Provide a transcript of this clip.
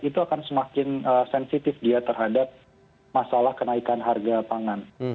itu akan semakin sensitif dia terhadap masalah kenaikan harga pangan